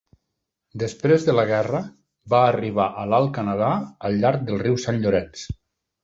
Després de la guerra, va arribar a l'Alt Canadà al llarg del riu Sant Llorenç.